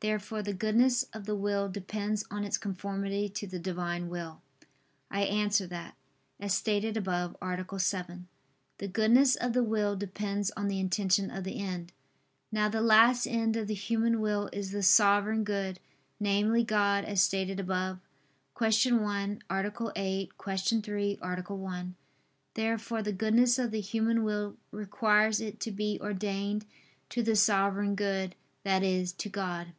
Therefore the goodness of the will depends on its conformity to the Divine will. I answer that, As stated above (A. 7), the goodness of the will depends on the intention of the end. Now the last end of the human will is the Sovereign Good, namely, God, as stated above (Q. 1, A. 8; Q. 3, A. 1). Therefore the goodness of the human will requires it to be ordained to the Sovereign Good, that is, to God.